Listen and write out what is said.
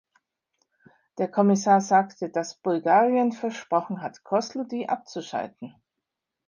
Der Kommissar sagte, dass Bulgarien versprochen hat, Kozludy abzuschalten.